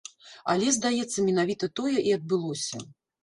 Але, здаецца, менавіта тое і адбылося.